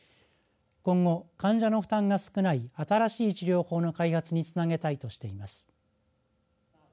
今後、患者の負担が少ない新しい治療法の開発につなげたいとしています。